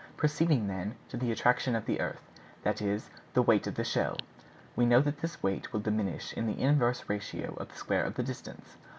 Proceding, then, to the attraction of the earth, that is, the weight of the shell, we know that this weight will diminish in the inverse ratio of the square of the distance.